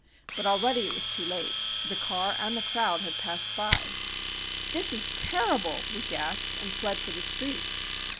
But already it was too late. The car and the crowd had passed by. "This is terrible!" we gasped, and fled for the street.